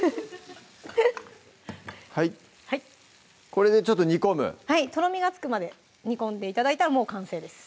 これでちょっと煮込むはいとろみがつくまで煮込んで頂いたらもう完成です